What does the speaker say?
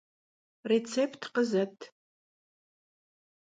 Rêtsêpt khızet.